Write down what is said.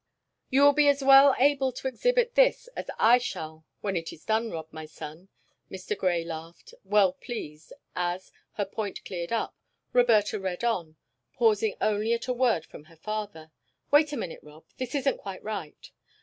"You will be as well able to exhibit this as I shall when it is done, Rob, my son," Mr. Grey laughed, well pleased, as, her point cleared up, Roberta read on, pausing only at a word from her father. "Wait a moment, Rob; this isn't quite right."